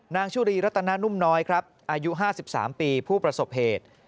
ชุรีรัตนานุ่มน้อยครับอายุ๕๓ปีผู้ประสบเหตุ